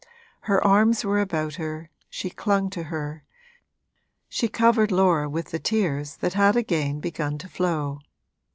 Her arms were about her, she clung to her, she covered Laura with the tears that had again begun to flow.